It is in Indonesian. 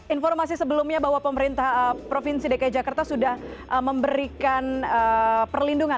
informasi sebelumnya bahwa pemerintah provinsi dki jakarta sudah memberikan perlindungan